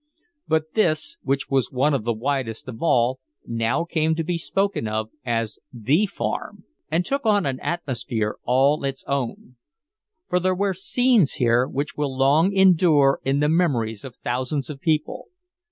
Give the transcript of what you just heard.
But this, which was one of the widest of all, now came to be spoken of as "the Farm," and took on an atmosphere all its own. For there were scenes here which will long endure in the memories of thousands of people.